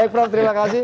baik prof terima kasih